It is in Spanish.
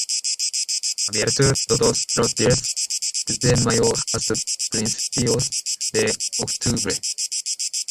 Abierto todos los días, desde mayo hasta principios de octubre